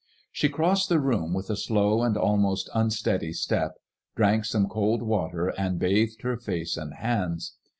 She crossed the room with a slow and almost unsteady step, drank some cold water and bathed her face and hands.